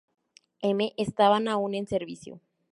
M estaban aún en servicio.